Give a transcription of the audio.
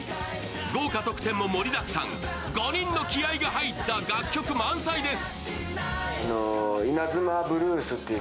豪華特典も盛りだくさん、５人の気合いの入った楽曲満載です。